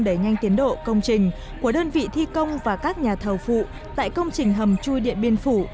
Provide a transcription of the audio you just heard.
đẩy nhanh tiến độ công trình của đơn vị thi công và các nhà thầu phụ tại công trình hầm chui điện biên phủ